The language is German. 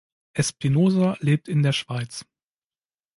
Espinoza lebt in der Schweiz.